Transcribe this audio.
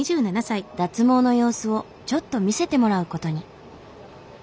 脱毛の様子をちょっと見せてもらうことに。